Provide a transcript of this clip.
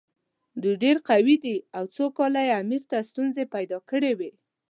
دوی ډېر قوي دي او څو کاله یې امیر ته ستونزې پیدا کړې وې.